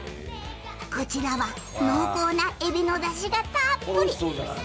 こちらは、濃厚なえびのだしがたっぷり！